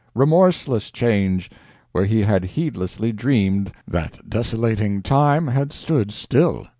remorseless change where he had heedlessly dreamed that desolating Time had stood still!